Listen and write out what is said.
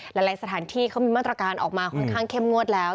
หลายสถานที่เขามีมาตรการออกมาค่อนข้างเข้มงวดแล้ว